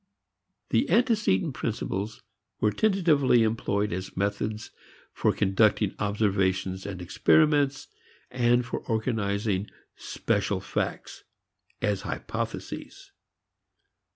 Then antecedent principles were tentatively employed as methods for conducting observations and experiments, and for organizing special facts: as hypotheses.